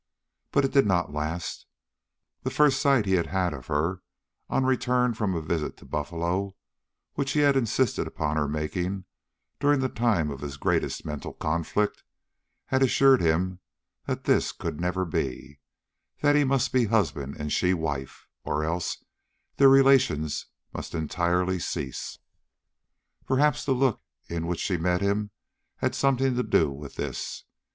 But it did not last; the first sight he had of her on her return from a visit to Buffalo, which he had insisted upon her making during the time of his greatest mental conflict, had assured him that this could never be; that he must be husband and she wife, or else their relations must entirely cease. Perhaps the look with which she met him had something to do with this.